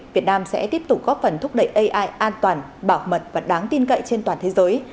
việt nam sẽ tiếp tục góp phần thúc đẩy ai an toàn bảo mật và đáng tin cậy trên toàn thế giới